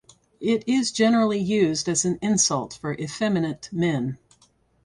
It is generally used as an insult for effeminate men.